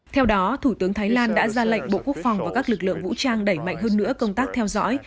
theo đó thủ tướng thái lan đã ra lệnh bộ quốc phòng và các lực lượng vũ trang đẩy mạnh hơn nữa công tác theo dõi